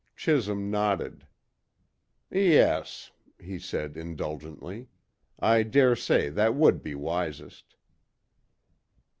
Chisholm nodded. "Yes," he said indulgently, "I dare say that would be wisest."